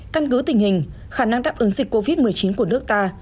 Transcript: căn cứ tình hình khả năng đáp ứng dịch covid một mươi chín của nước ta